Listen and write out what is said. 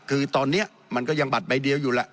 คือตอนนี้มันก็ยังบัตรใบเดียวอยู่แหละ